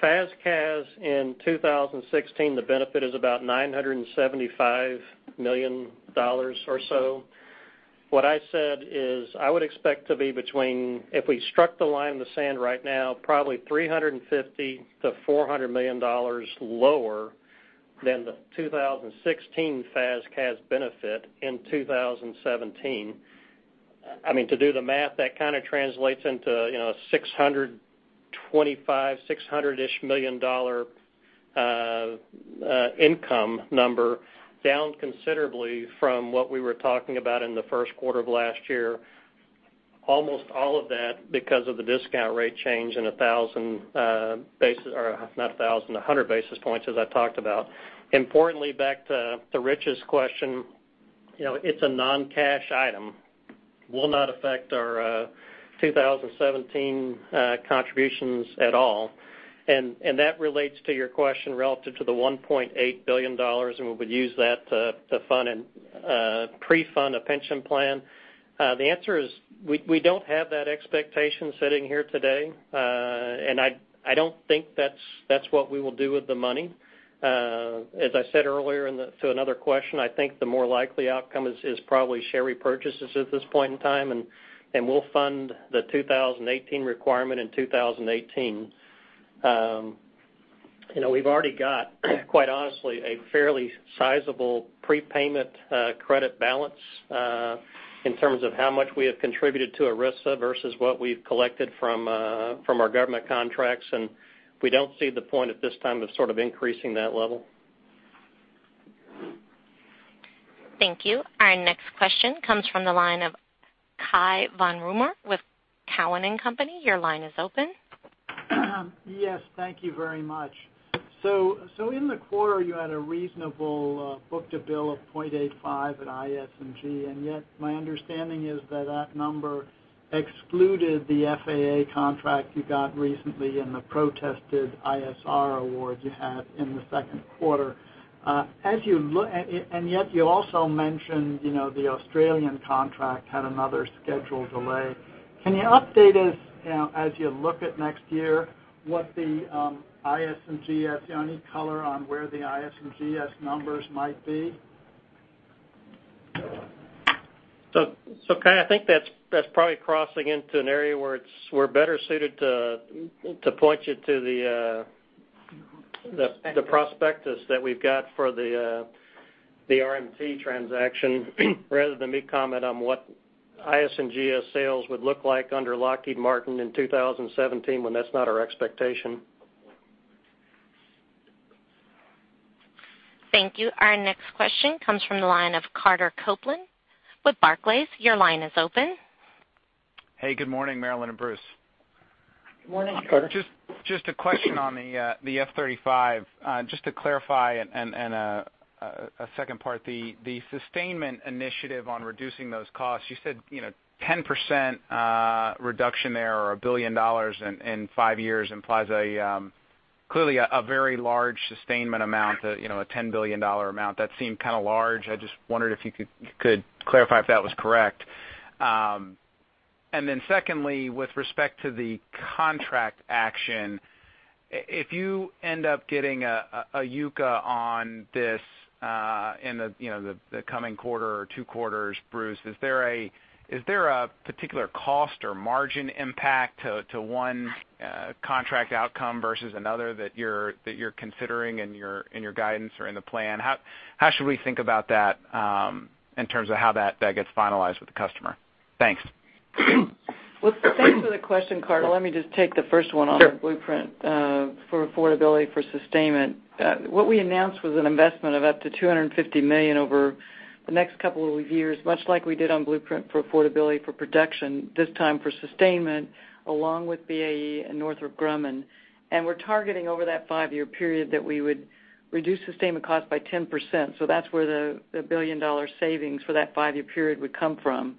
S4: FAS/CAS in 2016, the benefit is about $975 million or so. What I said is, I would expect to be between, if we struck the line in the sand right now, probably $350 million-$400 million lower than the 2016 FAS/CAS benefit in 2017. To do the math, that kind of translates into $625 million, $600-ish million income number, down considerably from what we were talking about in the first quarter of last year. Almost all of that because of the discount rate change in 100 basis points, as I talked about. Importantly, back to Rich's question, it's a non-cash item, will not affect our 2017 contributions at all. That relates to your question relative to the $1.8 billion, and we would use that to pre-fund a pension plan. The answer is, we don't have that expectation sitting here today. I don't think that's what we will do with the money. As I said earlier to another question, I think the more likely outcome is probably share repurchases at this point in time, and we'll fund the 2018 requirement in 2018. We've already got, quite honestly, a fairly sizable prepayment credit balance in terms of how much we have contributed to ERISA versus what we've collected from our government contracts, and we don't see the point at this time of sort of increasing that level.
S1: Thank you. Our next question comes from the line of Cai von Rumohr with Cowen and Company, your line is open.
S17: Yes, thank you very much. In the quarter, you had a reasonable book to bill of 0.85 at IS&GS, yet my understanding is that that number excluded the FAA contract you got recently and the protested ISR award you had in the second quarter. Yet you also mentioned the Australian contract had another schedule delay. Can you update us, as you look at next year, what the IS&GS is? Any color on where the IS&GS's numbers might be?
S4: Cai, I think that's probably crossing into an area where we're better suited to point you to the prospectus that we've got for the RMT transaction rather than me comment on what IS&GS's sales would look like under Lockheed Martin in 2017 when that's not our expectation.
S1: Thank you. Our next question comes from the line of Carter Copeland with Barclays. Your line is open.
S18: Hey, good morning, Marillyn and Bruce.
S3: Morning, Carter.
S18: Just a question on the F-35, just to clarify and a second part, the sustainment initiative on reducing those costs. You said 10% reduction there or $1 billion in five years implies clearly a very large sustainment amount, a $10 billion amount. That seemed kind of large. I just wondered if you could clarify if that was correct. Secondly, with respect to the contract action, if you end up getting a UCA on this in the coming quarter or two quarters, Bruce, is there a particular cost or margin impact to one contract outcome versus another that you're considering in your guidance or in the plan? How should we think about that in terms of how that gets finalized with the customer? Thanks.
S3: Well, thanks for the question, Carter. Let me just take the first one.
S18: Sure
S3: Blueprint for Affordability for sustainment. What we announced was an investment of up to $250 million over the next couple of years, much like we did on Blueprint for Affordability for production, this time for sustainment, along with BAE and Northrop Grumman. We're targeting over that five-year period that we would reduce sustainment cost by 10%. That's where the $1 billion-dollar savings for that five-year period would come from.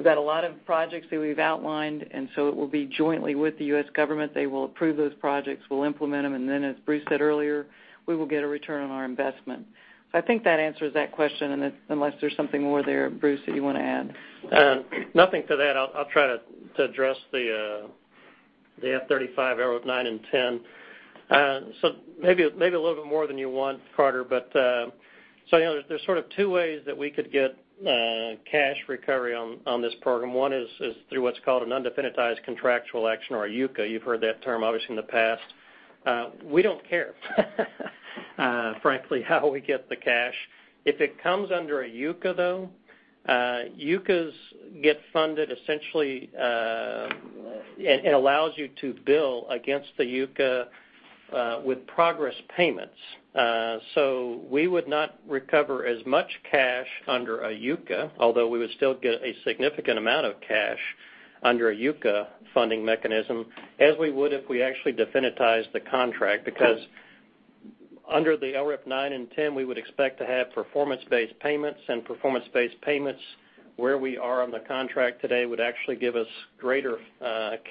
S3: We've got a lot of projects that we've outlined. It will be jointly with the U.S. government. They will approve those projects, we'll implement them, and then as Bruce said earlier, we will get a return on our investment. I think that answers that question, unless there's something more there, Bruce, that you want to add.
S4: Nothing to that. I'll try to address the F-35, LRIP 9 and 10. Maybe a little bit more than you want, Carter, but there's sort of two ways that we could get cash recovery on this program. One is through what's called an undefinitized contractual action or a UCA. You've heard that term, obviously, in the past. We don't care frankly, how we get the cash. If it comes under a UCA, though, UCAs get funded essentially, it allows you to bill against the UCA with progress payments. We would not recover as much cash under a UCA, although we would still get a significant amount of cash under a UCA funding mechanism as we would if we actually definitized the contract, because under the LRIP 9 and 10, we would expect to have performance-based payments. Performance-based payments where we are on the contract today would actually give us greater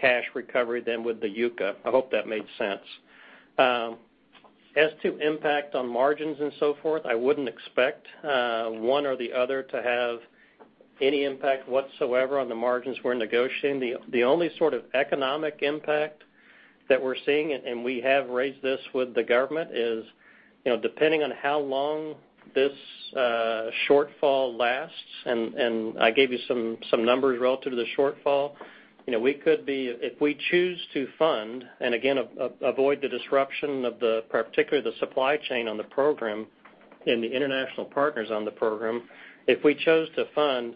S4: cash recovery than with the UCA. I hope that made sense. As to impact on margins and so forth, I wouldn't expect one or the other to have any impact whatsoever on the margins we're negotiating. The only sort of economic impact that we're seeing, and we have raised this with the government, is depending on how long this shortfall lasts, and I gave you some numbers relative to the shortfall. If we choose to fund, and again, avoid the disruption of particularly the supply chain on the program and the international partners on the program. If we chose to fund,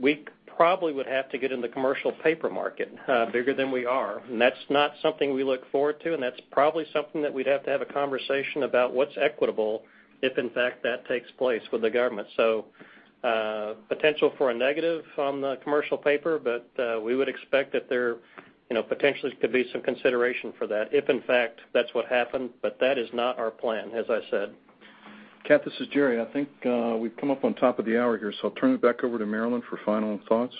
S4: we probably would have to get in the commercial paper market bigger than we are. That's not something we look forward to, and that's probably something that we'd have to have a conversation about what's equitable, if in fact, that takes place with the government. Potential for a negative on the commercial paper, but we would expect that there potentially could be some consideration for that if in fact that's what happened. That is not our plan, as I said.
S2: Kat, this is Jerry. I think we've come up on top of the hour here, so I'll turn it back over to Marillyn for final thoughts.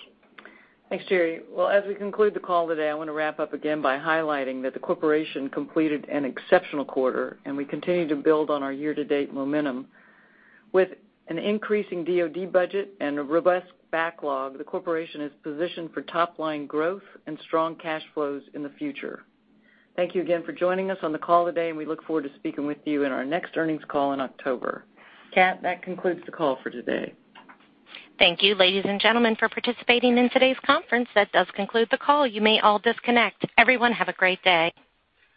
S3: Thanks, Jerry. Well, as we conclude the call today, I want to wrap up again by highlighting that the corporation completed an exceptional quarter, and we continue to build on our year-to-date momentum. With an increasing DoD budget and a robust backlog, the corporation is positioned for top-line growth and strong cash flows in the future. Thank you again for joining us on the call today, and we look forward to speaking with you in our next earnings call in October. Kat, that concludes the call for today.
S1: Thank you, ladies and gentlemen, for participating in today's conference. That does conclude the call. You may all disconnect. Everyone have a great day.